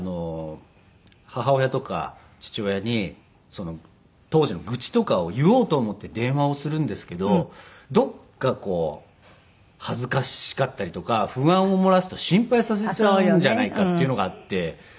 母親とか父親に当時の愚痴とかを言おうと思って電話をするんですけどどこか恥ずかしかったりとか不安を漏らすと心配させちゃうんじゃないかっていうのがあって。